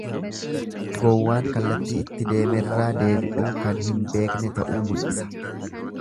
Gowwaan kallattii itti deemerraa deebi'uu kan hin beekne ta'uu mul'isa.